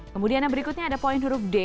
kemudian yang berikutnya ada poin huruf d